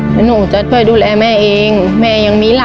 หนูจะช่วยดูแลแม่เองแม่ยังมีอะไร